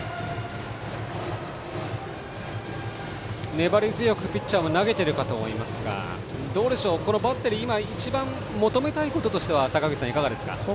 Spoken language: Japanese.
粘り強くピッチャーも投げているかと思いますがどうでしょう、バッテリー今一番求めたいものは坂口さん、いかがですか？